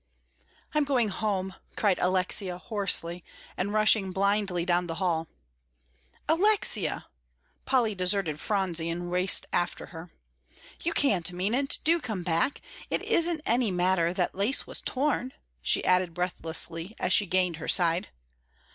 "I'm going home," cried Alexia, hoarsely, and rushing blindly down the hall. "Alexia!" Polly deserted Phronsie and raced after her. "You can't mean it; do come back. It isn't any matter that lace was torn," she added breathlessly, as she gained her side.